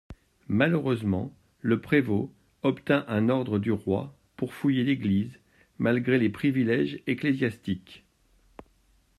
Malheureusement le prévôt obtint un ordre du roi pour fouiller l'église, malgré les priviléges ecclésiastiques.